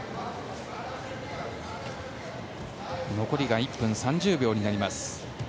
残りが１分３０秒になります。